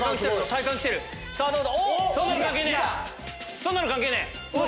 そんなの関係ねえ！